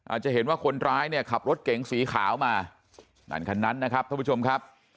จะเห็นว่าคนร้ายเนี่ยขับรถเก๋งสีขาวมานั่นคันนั้นนะครับท่านผู้ชมครับ